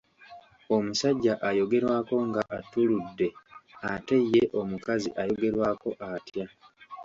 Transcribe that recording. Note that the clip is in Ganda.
Omusajja ayogerwako nga attuuludde, ate ye omukazi ayogerwako atya?